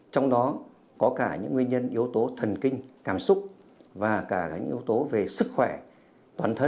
trong đó có cả những nguyên nhân yếu tố thần kinh cảm xúc và cả những yếu tố về sức khỏe toàn thân